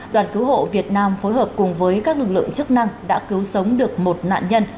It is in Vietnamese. đoàn cứu hộ việt nam phối hợp cùng với các lực lượng chức năng đã cứu sống được một nạn nhân